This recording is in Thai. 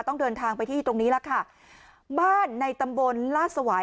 ต้องเดินทางไปที่ตรงนี้ล่ะค่ะบ้านในตำบลลาดสวาย